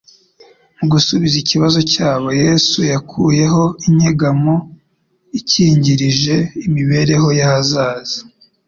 Mu gusubiza ikibazo cyabo Yesu yakuyeho inyegamo ikingirije imibereho y'ahazaza.